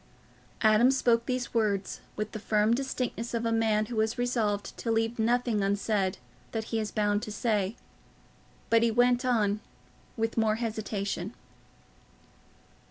Adam spoke these words with the firm distinctness of a man who is resolved to leave nothing unsaid that he is bound to say; but he went on with more hesitation.